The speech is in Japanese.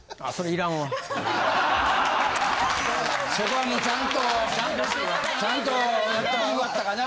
そこはもうちゃんとちゃんとやった方がよかったかな。